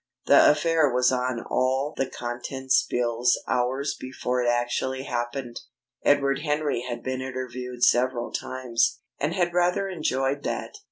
The affair was on all the contents bills hours before it actually happened. Edward Henry had been interviewed several times, and had rather enjoyed that.